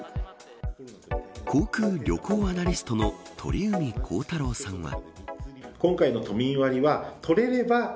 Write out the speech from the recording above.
航空・旅行アナリストの鳥海高太朗さんは。